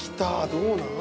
どうなん？